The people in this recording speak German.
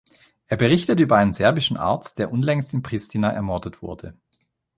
Er berichtet über einen serbischen Arzt, der unlängst in Pristina ermordet wurde.